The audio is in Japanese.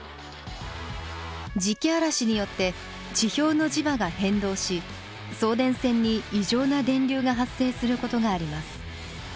磁気嵐によって地表の磁場が変動し送電線に異常な電流が発生することがあります。